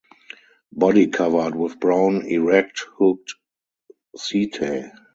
Body covered with brown erect hooked setae.